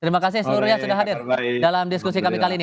terima kasih seluruhnya sudah hadir dalam diskusi kami kali ini